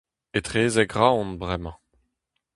Etrezek Roazhon bremañ.